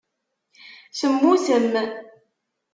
Temmutem.